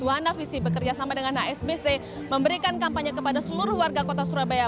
wana visi bekerjasama dengan hsbc memberikan kampanye kepada seluruh warga kota surabaya